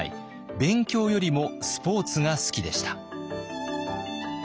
勉強よりもスポーツが好きでした。